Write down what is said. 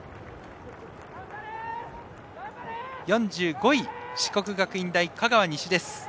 ４５位、四国学院大香川西です。